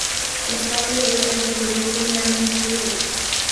تستطيع أن تدعو كل من تريد.